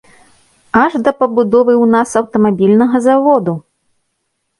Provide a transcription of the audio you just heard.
Аж да пабудовы ў нас аўтамабільнага заводу!